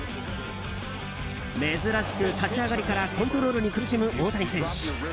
珍しく立ち上がりからコントロールに苦しむ大谷選手。